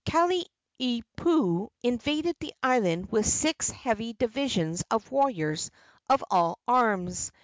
Kalaniopuu invaded the island with six heavy divisions of warriors of all arms.